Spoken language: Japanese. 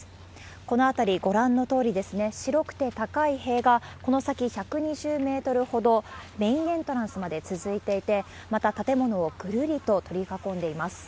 この辺り、ご覧のとおり、白くて高い塀が、この先１２０メートルほど、メインエントランスまで続いていて、また建物をぐるりと取り囲んでいます。